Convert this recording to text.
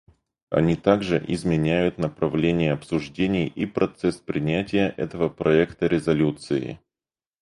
Они также изменяют направление обсуждений и процесс принятия этого проекта резолюции.